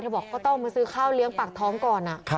บอกก็ต้องมาซื้อข้าวเลี้ยงปากท้องก่อน